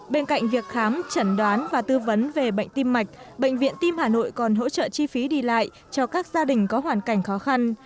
bên cạnh việc khám chẩn đoán và tư vấn về bệnh tim mạch bệnh viện tim hà nội còn hỗ trợ chi phí đi lại cho các gia đình có hoàn cảnh khó khăn